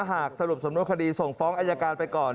หากสรุปสำนวนคดีส่งฟ้องอายการไปก่อน